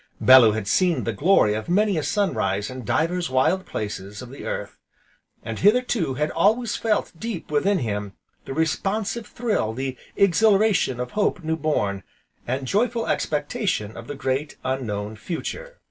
Bellew had seen the glory of many a sun rise in divers wild places of the Earth, and, hitherto, had always felt deep within him, the responsive thrill, the exhilaration of hope new born, and joyful expectation of the great, unknown Future.